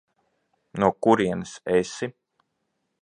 No kurienes esi?